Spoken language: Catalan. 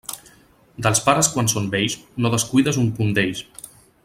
Dels pares quan són vells, no descuides un punt d'ells.